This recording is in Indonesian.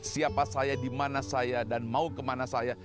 siapa saya dimana saya dan mau kemana saya